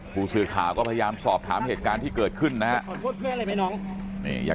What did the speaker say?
ผู้สื่อข่าวก็พยายามสอบถามเหตุการณ์ที่เกิดขึ้นนะฮะ